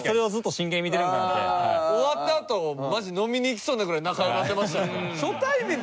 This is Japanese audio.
終わったあとマジ飲みに行きそうなぐらい仲良くなってましたね。